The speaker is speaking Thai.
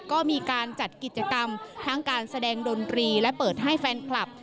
ก็มีการจัดกิจกรรมทั้งการแสดงดนตรีและเปิดให้แฟนคลับ